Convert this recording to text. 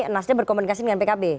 nasdaq berkomunikasi dengan pkb